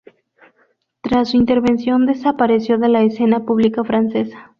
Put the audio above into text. Tras su intervención desapareció de la escena pública francesa.